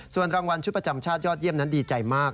ส่วนรางวัลชุดประจำชาติยอดเยี่ยมนั้นดีใจมาก